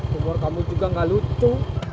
umur kamu juga gak lucu